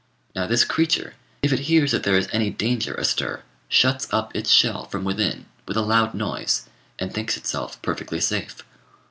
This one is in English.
Now this creature, if it hears that there is any danger astir, shuts up its shell from within, with a loud noise, and thinks itself perfectly safe.